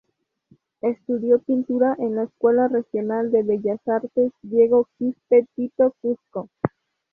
Estudió pintura en la Escuela Regional de Bellas Artes Diego Quispe Tito, Cusco.